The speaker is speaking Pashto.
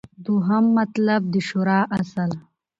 دوهم مطلب : د شورا اصل